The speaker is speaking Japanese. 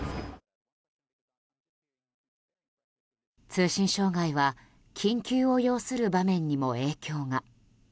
通信障害は緊急を要する場面にも影響が。